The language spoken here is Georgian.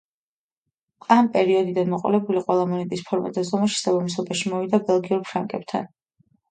ამ პერიოდიდან მოყოლებული ყველა მონეტის ფორმა და ზომა შესაბამისობაში მოვიდა ბელგიურ ფრანკებთან.